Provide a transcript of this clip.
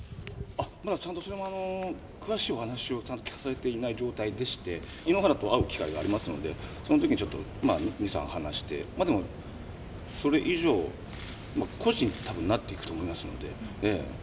まだちゃんとそれも詳しいお話をちゃんと聞かされていない状態でして、井ノ原と会う機会がありますので、そのときにちょっとに、さん話して、でも、それ以上、個人にたぶんなっていくと思いますので。